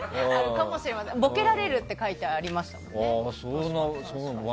ボケられるって書いてありましたものね。